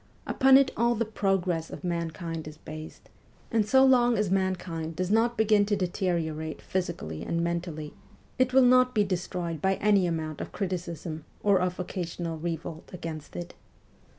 Upon it all the progress of mankind is based, and so long as mankind does not begin to deteriorate physically and VOL. II. P 210 MEMOIRS OF A REVOLUTIONIST mentally, it will not be destroyed by any amount of criticism or of occasional revolt against it.